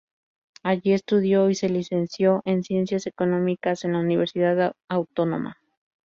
Allí estudió y se licenció en Ciencias Económicas en la Universidad Autónoma.